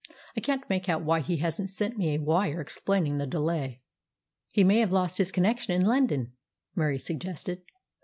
I can't make out why he hasn't sent me a 'wire' explaining the delay." "He may have lost his connection in London," Murie suggested.